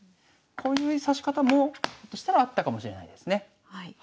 こういう指し方もひょっとしたらあったかもしれないですね。